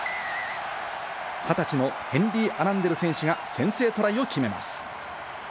二十歳のヘンリー・アランデル選手が先制トライを決めます。